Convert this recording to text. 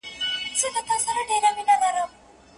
د ږدن په پټي کي له ډاره اتڼ مه ړنګوه.